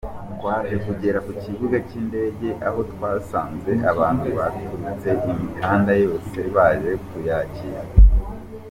Twaje kugera ku kibuga cy’indege aho twasanze abantu baturutse imihanda yose baje kuyakira.